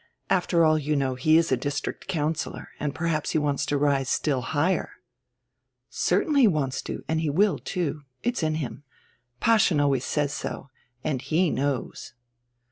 After all, you know, he is a district councillor, and perhaps he wants to rise still higher." "Certainly he wants to, and he will, too. It's in him. Paaschen always says so and he knows."